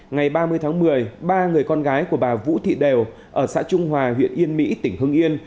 ngày ba mươi tháng một mươi ba người con gái của bà vũ thị đều ở xã trung hòa huyện yên mỹ tỉnh hưng yên